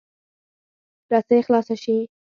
رسۍ خلاصه شي.